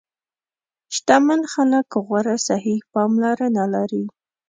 شتمن خلک غوره صحي پاملرنه لري.